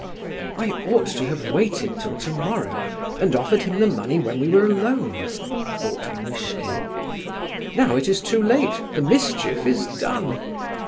"I ought to have waited till to morrow and offered him the money when we were alone," thought Muishkin. "Now it is too late, the mischief is done!